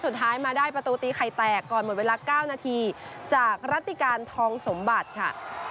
สุดท้ายมาได้ประตูตีไข่แตกก่อนหมดเวลา๙นาทีจากรัติการทองสมบัติค่ะ